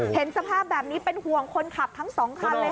เห็นสภาพแบบนี้เป็นห่วงคนขับทั้งสองคันเลยค่ะ